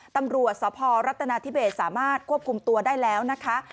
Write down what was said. ตำรวจสพรัฐนาธิเบสสามารถควบคุมตัวได้แล้วนะคะ